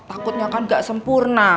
oh takutnya kan nggak sempurna